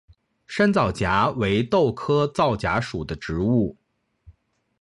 山皂荚为豆科皂荚属的植物。